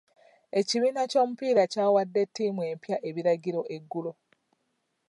Ekibiina ky'omupiira kyawadde ttiimu empya ebiragiro eggulo.